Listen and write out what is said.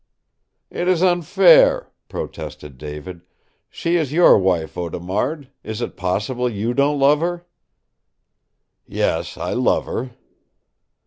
"It is unfair," protested David. "She is your wife, Audemard, is it possible you don't love her?" "Yes, I love her."